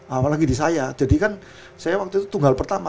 apalagi di saya jadi kan saya waktu itu tunggal pertama